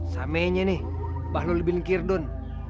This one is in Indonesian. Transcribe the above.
sama nya nih bahluli bin kirdun